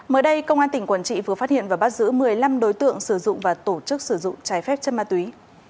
mới đây công an tỉnh quảng trị vừa phát hiện và bắt giữ một mươi năm đối tượng sử dụng và tổ chức sử dụng trái phép chất ma túy